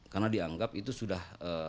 karena dianggap itu sudah